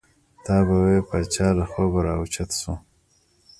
تا به وې پاچا له خوبه را او چت شو.